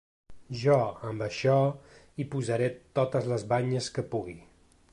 Jo amb això hi posaré totes les banyes que pugui.